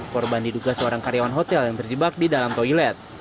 korban diduga seorang karyawan hotel yang terjebak di dalam toilet